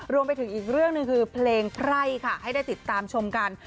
รวมไปถึงอีกเรื่องหนึ่งคือเพลงไพร่ค่ะให้ได้ติดตามชมกัน